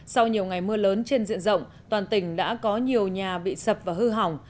sau nhiều ngày mưa lớn trên diện rộng toàn tỉnh đã có nhiều nhà bị sập và hư hỏng